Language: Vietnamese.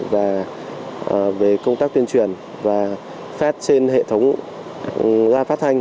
về công tác tuyên truyền và phát trên hệ thống ra phát thanh